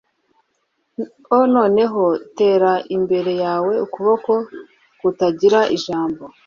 O noneho tera imbere yawe ukuboko kutagira ijambo